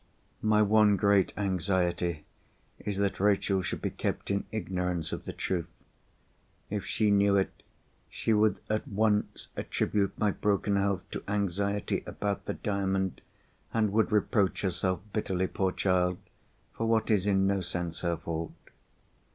My one great anxiety is that Rachel should be kept in ignorance of the truth. If she knew it, she would at once attribute my broken health to anxiety about the Diamond, and would reproach herself bitterly, poor child, for what is in no sense her fault.